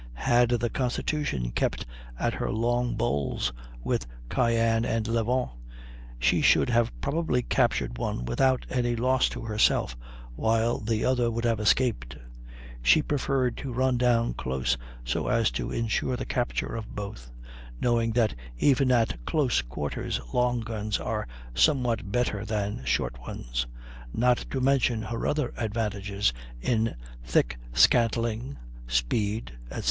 Had the Constitution kept at long bowls with the Cyane and Levant she could have probably captured one without any loss to herself, while the other would have escaped; she preferred to run down close so as to insure the capture of both, knowing that even at close quarters long guns are somewhat better than short ones (not to mention her other advantages in thick scantling, speed, etc.).